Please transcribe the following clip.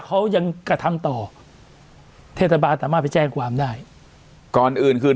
เขายังกระทำต่อเทศบาลสามารถไปแจ้งความได้ก่อนอื่นคืน